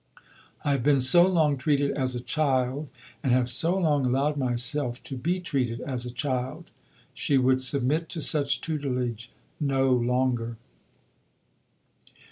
"I have been so long treated as a child and have so long allowed myself to be treated as a child." She would submit to such tutelage no longer.